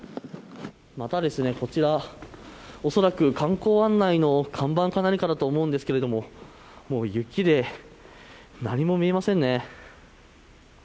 こちら、おそらく観光案内の看板か何かだと思うんですけど雪で何も見えませんね。